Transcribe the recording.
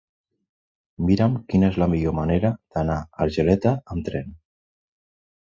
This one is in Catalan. Mira'm quina és la millor manera d'anar a Argeleta amb tren.